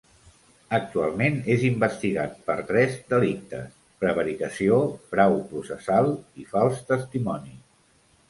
Actualment, és investigat per tres delictes: prevaricació, frau processal i fals testimoni.